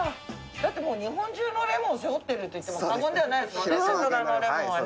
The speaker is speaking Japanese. だってもう日本中のレモンを背負っていると言っても過言ではないですもんね。